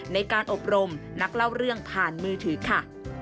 ในการอบรมนักเล่าเรื่องผ่านมือถือค่ะ